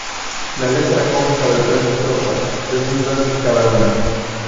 La letra consta de tres estrofas, de seis versos cada una.